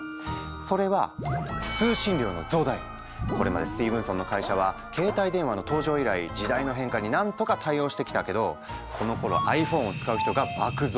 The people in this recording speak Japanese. それはこれまでスティーブンソンの会社は携帯電話の登場以来時代の変化になんとか対応してきたけどこのころｉＰｈｏｎｅを使う人が爆増。